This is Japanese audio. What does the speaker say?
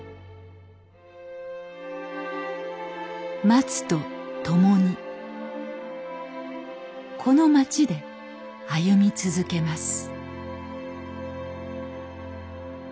松と共にこの町で歩み続けます。